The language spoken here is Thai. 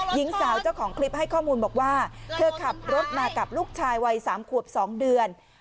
หญิงสาวเจ้าของคลิปให้ข้อมูลบอกว่าเธอขับรถมากับลูกชายวัย๓ขวบ๒เดือน